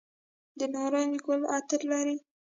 د نارنج ګل عطر لري؟